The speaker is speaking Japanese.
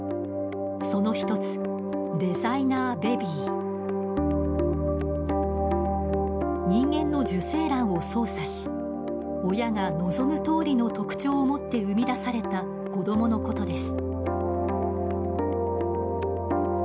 その一つ人間の受精卵を操作し親が望むとおりの特徴を持って生み出された子供のことです。